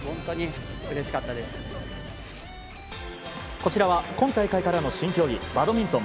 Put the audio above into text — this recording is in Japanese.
こちらは今大会からの新競技バドミントン。